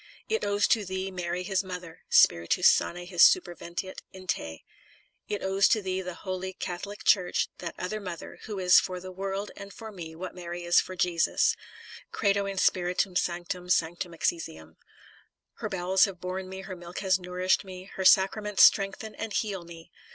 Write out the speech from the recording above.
It owes to thee Mary his mother: Spiritus Sane his super veniet in te. It owes to thee the Holy Cath olic Church, that other mother, who is for the world and for me what Mary is for Jesus: Credo in Spiritum Sanctum, sanctam Ecdcsiam. Her bowels have borne me, her milk has nourished me, her sacraments strengthen and heal me.